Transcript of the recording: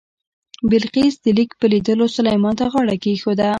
بلقیس د لیک په لیدلو سلیمان ته غاړه کېښوده.